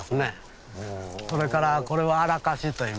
それからこれはアラカシといいます。